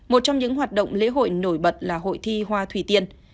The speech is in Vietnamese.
một trong những hoạt động lễ hội nổi bật là hội thi hoa thủy tiên